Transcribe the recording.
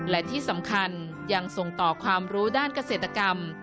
และที่สำคัญยังส่งต่อความรู้ด้านเกษตรกรรม